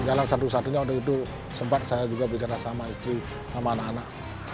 jalan satu satunya waktu itu sempat saya juga bicara sama istri sama anak anak